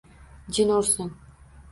Jin ursin!